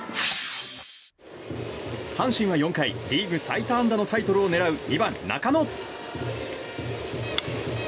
阪神は４回リーグ最多安打のタイトルを狙う２番、中野。